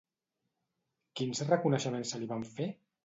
Quins reconeixements se li van fer?